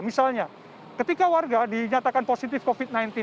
misalnya ketika warga dinyatakan positif covid sembilan belas